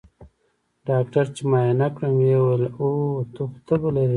ډاکتر چې معاينه کړم ويې ويل اوهو ته خو تبه لرې.